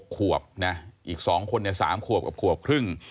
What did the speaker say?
๖ควบนะอีก๒คนเนี่ย๓ควบกับควบครึ่ง